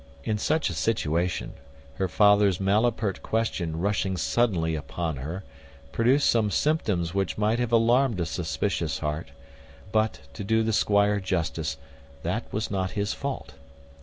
In such a situation, her father's malapert question rushing suddenly upon her, produced some symptoms which might have alarmed a suspicious heart; but, to do the squire justice, that was not his fault.